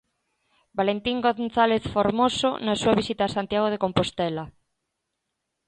Valentín González Formoso, na súa visita a Santiago de Compostela.